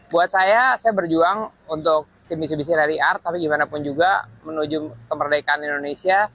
buat saya saya berjuang untuk tim mitsubishi rary r tapi gimana pun juga menuju kemerdekaan indonesia